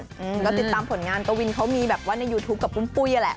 ก็ติดตามผลงานกวินเขามีแบบว่าในยูทูปกับปุ้มปุ้ยแหละ